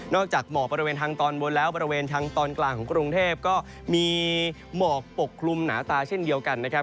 อกจากหมอกบริเวณทางตอนบนแล้วบริเวณทางตอนกลางของกรุงเทพก็มีหมอกปกคลุมหนาตาเช่นเดียวกันนะครับ